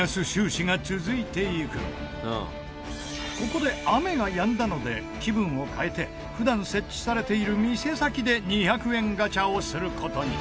ここで雨がやんだので気分を変えて普段設置されている店先で２００円ガチャをする事に。